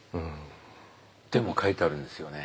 でも書いてあるんですよね？